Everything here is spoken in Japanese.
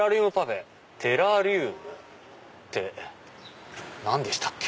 テラリウムって何でしたっけ？